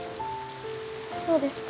そうですか？